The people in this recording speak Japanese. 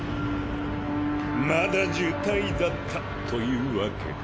まだ呪胎だったというわけか。